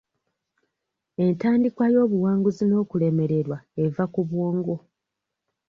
Entandikwa y'obuwanguzi n'okulemererwa eva ku bwongo.